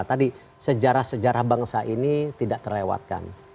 tadi sejarah sejarah bangsa ini tidak terlewatkan